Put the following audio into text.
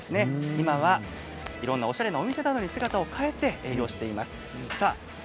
今はいろんなおしゃれなお店などに姿を変えて営業しています。